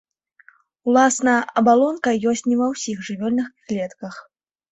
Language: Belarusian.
Уласна абалонка ёсць не ва ўсіх жывёльных клетках.